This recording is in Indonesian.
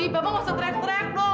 bapak gak usah teriak teriak dong